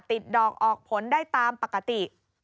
ดอกออกผลได้ตามปกติ